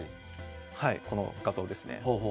この画像ですね。